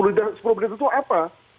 menit sepuluh menit itu apa